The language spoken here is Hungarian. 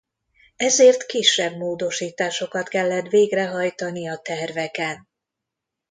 Ezért kisebb módosításokat kellett végrehajtani a terveken.